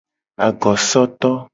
Agosoto.